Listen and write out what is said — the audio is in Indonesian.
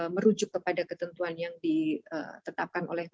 merujuk kepada ketentuan yang ditetapkan oleh